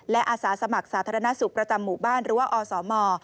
และอาสาสมัครสาธารณสุขประจำหมู่บ้านหรือว่าอสม